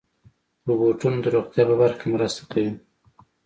روبوټونه د روغتیا په برخه کې مرسته کوي.